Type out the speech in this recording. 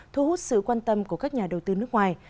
thu hút sự quan tâm của các nhà đầu tư nước ngoài